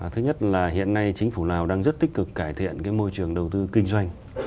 thứ nhất là hiện nay chính phủ lào đang rất tích cực cải thiện môi trường đầu tư kinh doanh